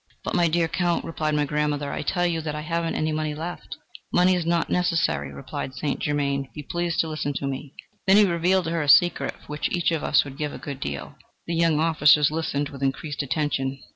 "'But, my dear Count,' replied my grandmother, 'I tell you that I haven't any money left.' "'Money is not necessary,' replied St. Germain: 'be pleased to listen to me.' "Then he revealed to her a secret, for which each of us would give a good deal..." The young officers listened with increased attention.